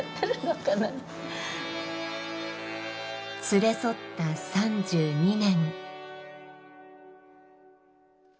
連れ添った３２年。